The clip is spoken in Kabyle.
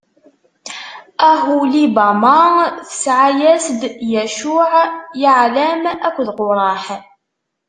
Uhulibama tesɛa-as-d: Yaɛuc, Yaɛlam akked Quraḥ.